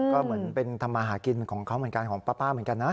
ก็เหมือนเป็นทำมาหากินของเขาเหมือนกันของป้าเหมือนกันนะ